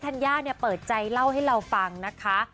ัญญาเนี่ยเปิดใจเล่าให้เราฟังนะคะ